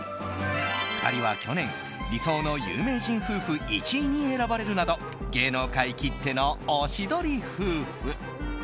２人は去年、理想の有名人夫婦１位に選ばれるなど芸能界きってのおしどり夫婦。